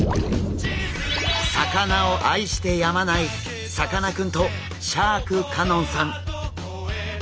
魚を愛してやまないさかなクンとシャーク香音さん。